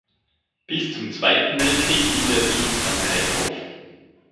Bis zum Zweiten Weltkrieg hielt er sich in Frankreich auf.